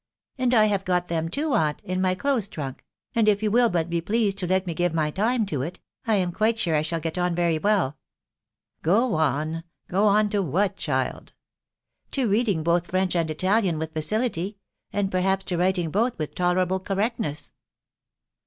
" And I have got them too, aunt, in my clothes trunk ; and if you will but be pleased to let me give my time to it, I am quite sure that I shall get on very well." " Get on !.... get on to what, child ?"" To reading both French and Italian with facility, and perhaps to writing both with tolerable correctness."